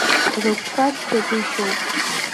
Рыгәқәа цқьагәышьоуп.